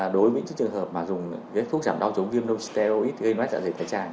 đối với những trường hợp mà dùng cái thuốc giảm đau chống ghiêm nô steo x gây nói dạ dày thái tràn